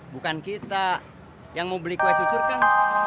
bukan kita yang mau beli kue cucur kan